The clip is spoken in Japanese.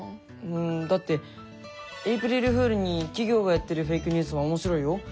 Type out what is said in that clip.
うんだってエイプリルフールに企業がやってるフェイクニュースも面白いよ。